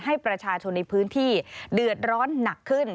ให้ประชาชนในพื้นที่เดือดร้อนหนักขึ้น